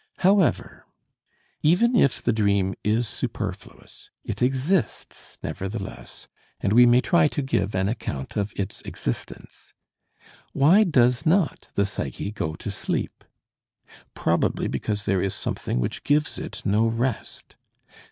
However, even if the dream is superfluous, it exists nevertheless and we may try to give an account of its existence. Why does not the psyche go to sleep? Probably because there is something which gives it no rest.